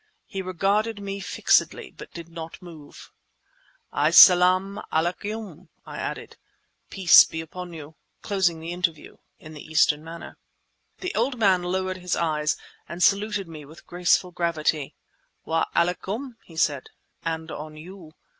He regarded me fixedly, but did not move. "Es selam 'aleykum!" I added ("Peace be on you!") closing the interview in the Eastern manner. The old man lowered his eyes, and saluted me with graceful gravity. "Wa 'aleykum!" he said ("And on you!").